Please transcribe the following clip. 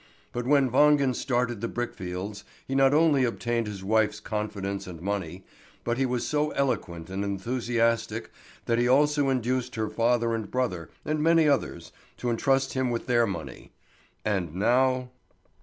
But when Wangen started the brickfields, he not only obtained his wife's confidence and money, but he was so eloquent and enthusiastic that he also induced her father and brother, and many others, to entrust him with their money. And now?